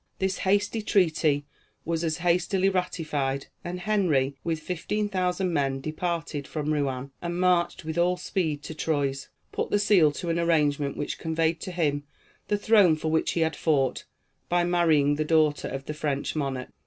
This hasty treaty was as hastily ratified, and Henry, with fifteen thousand men departed from Rouen, and marching with all speed to Troyes, put the seal to an arrangement which conveyed to him the throne for which he had fought, by marrying the daughter of the French monarch.